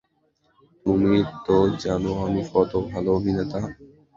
তুমি তো জানো আমি কত ভালো অভিনেতা।